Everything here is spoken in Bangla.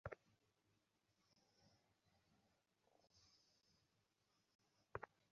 আপনি একটা অবিবাহিতা বুড়ি।